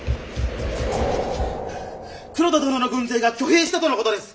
黒田殿の軍勢が挙兵したとの事です。